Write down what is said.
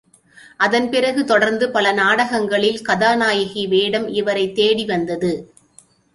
அதன் பிறகு தொடர்ந்து பல நாடகங்களில் கதாநாயகி வேடம் இவரைத் தேடி வந்தது.